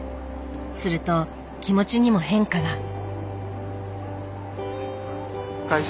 すると気持ちにも変化が。